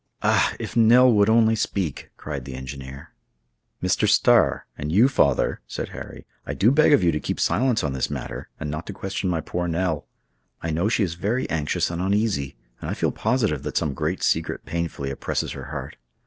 "Ah! if Nell would only speak!" cried the engineer. "Mr. Starr—and you, father," said Harry, "I do beg of you to keep silence on this matter, and not to question my poor Nell. I know she is very anxious and uneasy; and I feel positive that some great secret painfully oppresses her heart.